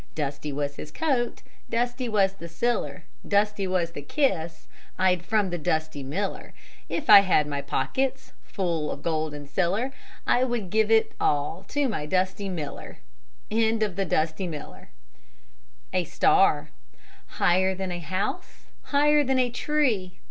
Dusty was his coat, Dusty was the siller, Dusty was the kiss I'd from the dusty miller. If I had my pockets Full of gold and siller, I would give it all To my dusty miller. A STAR Higher than a house, higher than a tree.